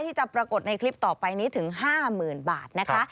ที่จะปรากฏในคลิปต่อไปนี้ถึง๕๐๐๐บาทนะคะ